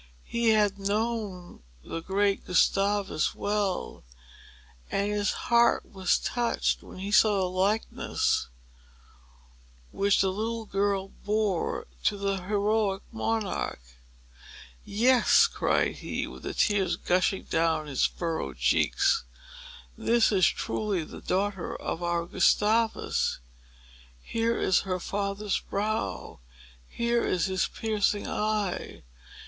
He had known the great Gustavus well; and his heart was touched, when he saw the likeness which the little girl bore to that heroic monarch. "Yes," cried he, with the tears gushing down his furrowed cheeks, "this is truly the daughter of our Gustavus! Here is her father's brow!—here is his piercing eye!